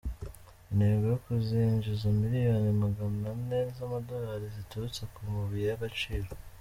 Intego yo kuzinjiza miliyoni maganane zamadorali ziturutse ku mabuye y’agaciro